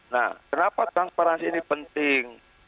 nah kenapa transparansi ini penting